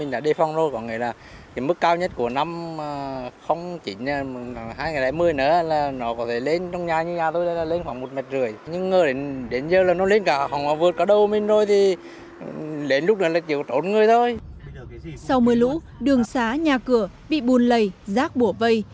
sau mưa lũ đường xá nhà cửa bị bùn lầy rác bổ vây